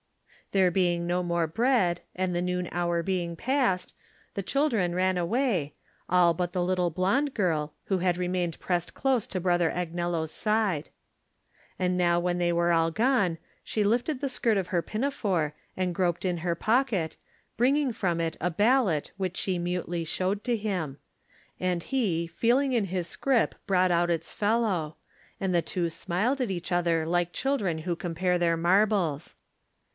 There being no more bread, and the noon hour being past, the children ran away, all but the little blond girl, who had remained pressed close to Brother Agnello's side. And now when they were all gone she lifted the skirt of her pinafore and groped in her pocket, bringing from it a ballot which she mutely showed to him; and he, feeling in bis scrip brought out its fellow, and the two smiled at each other like children who compare their marbles.